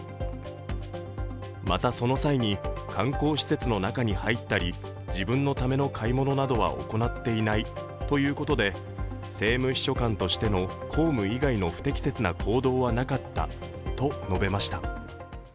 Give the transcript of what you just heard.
またその際に観光施設の中に入ったり自分のための買い物などは行っていないということで、政務秘書官としての公務以外の不適切な行動はなかったと述べました。